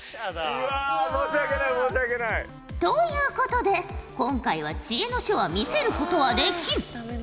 うわ申し訳ない申し訳ない。ということで今回は知恵の書は見せることはできん。